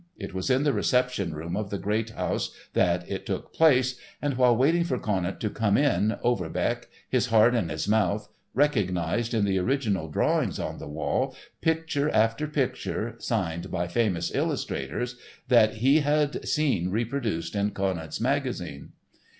It was in the reception room of the great house that it took place, and while waiting for Conant to come in, Overbeck, his heart in his mouth, recognised, in the original drawings on the walls, picture after picture, signed by famous illustrators, that he had seen reproduced in Conant's magazine.